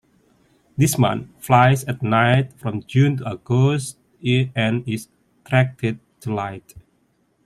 This moth flies at night from June to August and is attracted to light.